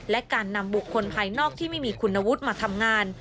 และการนำบุคคลภายนอกที่ไม่มีคุณวุฒิมาทำงาน